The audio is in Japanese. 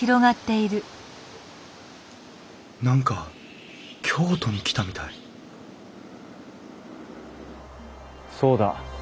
何か京都に来たみたいそうだ